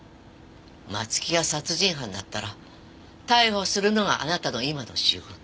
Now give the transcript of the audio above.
松木が殺人犯だったら逮捕するのがあなたの今の仕事。